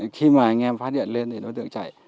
khi mà anh em phát hiện lên thì đối tượng chạy